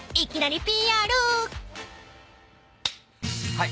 はい。